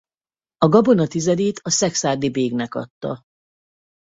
A gabona tizedét a szekszárdi bégnek adta.